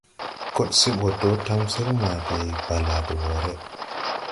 Kod se ɓo do tamsir ma de balaʼ de woʼré.